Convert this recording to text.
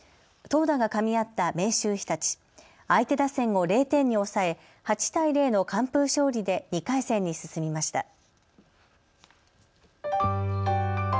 投打がかみ合った明秀日立、相手打線を０点に抑え８対０の完封勝利で２回戦に進みました。